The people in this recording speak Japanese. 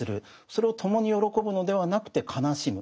それを共に喜ぶのではなくて悲しむ。